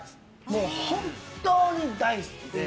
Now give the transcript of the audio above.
本当に大好きで。